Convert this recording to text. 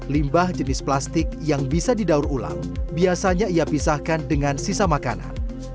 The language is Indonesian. limbah jenis plastik yang bisa didaur ulang biasanya ia pisahkan dengan sisa makanan